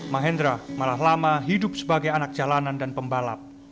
mahendra malah lama hidup sebagai anak jalanan dan pembalap